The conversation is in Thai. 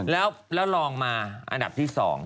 แล้วลองมาอันดับที่๒